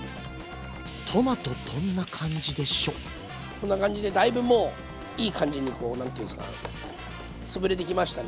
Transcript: こんな感じでだいぶもういい感じにこう何て言うんすかつぶれてきましたね。